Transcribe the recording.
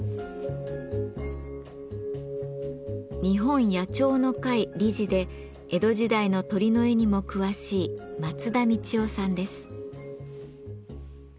「日本野鳥の会」理事で江戸時代の鳥の絵にも詳しい松田道生さんです。